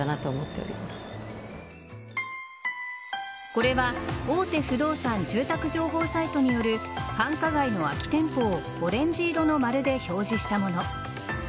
これは大手不動産住宅情報サイトによる繁華街の空き店舗をオレンジ色の丸で表示したもの。